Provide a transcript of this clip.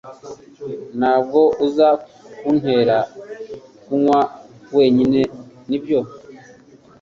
Ntabwo uza kuntera kunywa wenyine nibyo